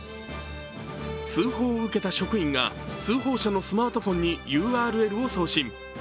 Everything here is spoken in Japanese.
通報を受けた職員が、通報者のスマートフォンにＵＲＬを送信。